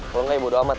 kalau gak ya bodo amat